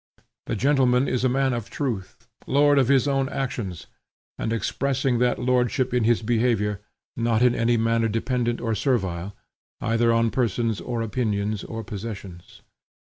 The gentleman is a man of truth, lord of his own actions, and expressing that lordship in his behavior, not in any manner dependent and servile, either on persons, or opinions, or possessions.